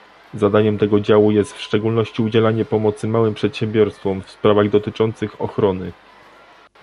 Zadaniem tego działu jest w szczególności udzielanie pomocy małym przedsiębiorstwom w sprawach dotyczących ochrony